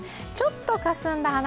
ちょっとかすんだ